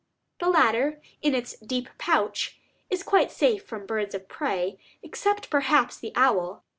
The latter, in its deep pouch, is quite safe from birds of prey, except perhaps the owl.